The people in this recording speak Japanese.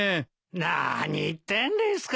なに言ってんですか。